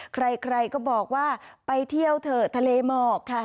ใครก็บอกว่าไปเที่ยวเถอะทะเลหมอกค่ะ